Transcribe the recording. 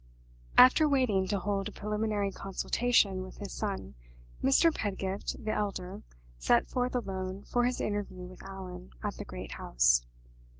After waiting to hold a preliminary consultation with his son, Mr. Pedgift the elder set forth alone for his interview with Allan at the great house.